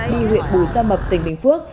đi huyện bù sa mập tỉnh bình phước